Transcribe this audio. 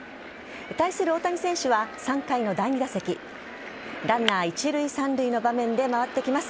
対する大谷選手は３回の第２打席ランナー一塁・三塁の場面で回ってきます。